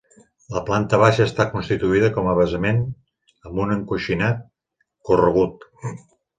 La planta baixa està constituïda com a basament amb un encoixinat corregut.